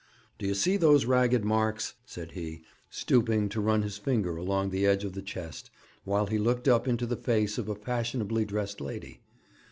'Do you see those ragged marks?' said he, stooping to run his finger along the edge of the chest, whilst he looked up into the face of a fashionably dressed lady.